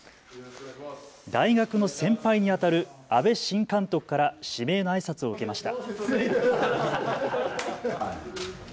大学の先輩にあたる阿部新監督から指名のあいさつを受けました。